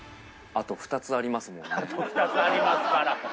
あと２つありますから。